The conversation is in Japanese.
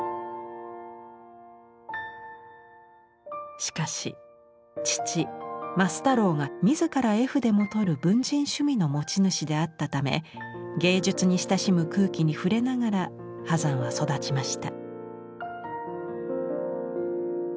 しかし父増太郎が自ら絵筆も執る文人趣味の持ち主であったため芸術に親しむ空気に触れながら波山は育ちました。